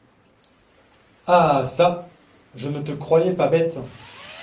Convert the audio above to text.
Ah çà! je ne te croyais pas bête !